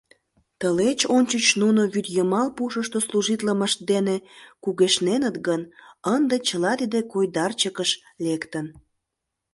Тылеч ончыч нуно вӱдйымал пушышто служитлымышт дене кугешненыт гын, ынде чыла тиде койдарчыкыш лектын.